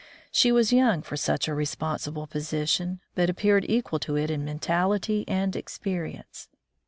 She was young for such a responsible position, but appeared equal to it in mentality and experience.